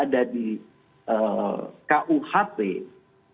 rancangan undang undang yang ada di kuhp